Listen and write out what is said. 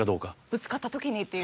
ぶつかった時にっていう。